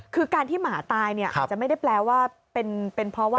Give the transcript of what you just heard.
คือการที่หมาตายเนี่ยอาจจะไม่ได้แปลว่าเป็นเพราะว่า